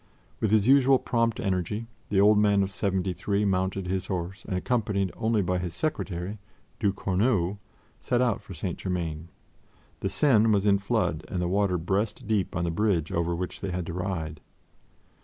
With his usual prompt energy, the old man of seventy three mounted his horse and, accompanied only by his secretary, du Courneau, set out for St. Germain. The Seine was in flood and the water breast deep on the bridge over which they had to ride.